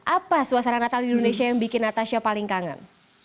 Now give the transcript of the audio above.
apa suasana natal di indonesia yang bikin natasha paling kangen